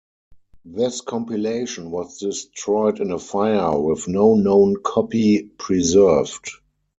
This compilation was destroyed in a fire, with no known copy preserved.